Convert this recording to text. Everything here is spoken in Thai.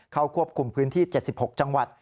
เข้าควบคุมพื้นที่๗๖จังหวัด